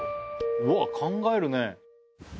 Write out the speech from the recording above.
うわっ考えるね。